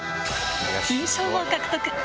金賞を獲得。